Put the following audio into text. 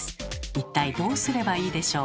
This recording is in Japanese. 一体どうすればいいでしょう？